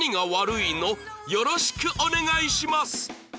よろしくお願いします！